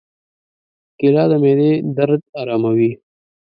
کېله د معدې درد آراموي.